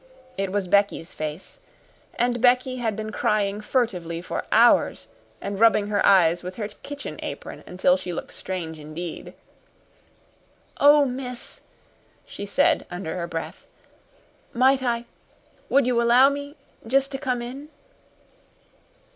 It was Becky's face, and Becky had been crying furtively for hours and rubbing her eyes with her kitchen apron until she looked strange indeed. "Oh, miss," she said under her breath. "Might I would you allow me jest to come in?"